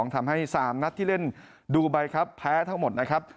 ทำให้๓นัดที่เล่นดูไบครับแพ้ทั้งหมดนะครับ